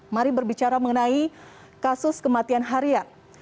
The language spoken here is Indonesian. mari berbicara mengenai kasus kematian harian